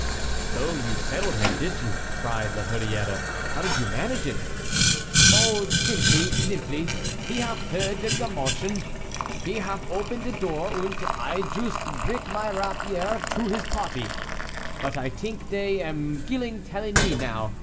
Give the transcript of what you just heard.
"So you settled him, did you?" cried La Hurière; "how did you manage it?" "Oh, zimbly, zimbly; he haf heerd de gommotion, he haf oben de door unt I joost brick my rabier troo his potty. But I tink dey am gilling Téligny now.